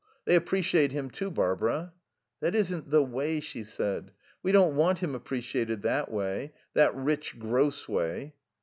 They appreciate him, too, Barbara." "That isn't the way," she said. "We don't want him appreciated that way. That rich, gross way."